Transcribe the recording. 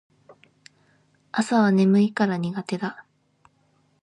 朝は眠いから苦手だ